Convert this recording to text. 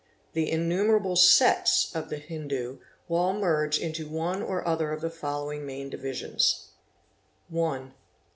The innumerable sects of the Hindus all merge into one or other of the following main divisions :— 1.